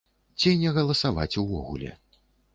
Ці не галасаваць увогуле.